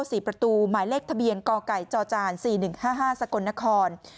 สี่ประตูหมายเลขทะเบียนกไก่จจ๔๑๕๕สกลนคร